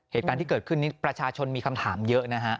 เหตุการณ์ที่เกิดขึ้นนี้ประชาชนมีคำถามเยอะนะฮะ